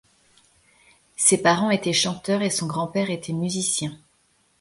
Ses parents étaient chanteurs et son grand-père était musicien.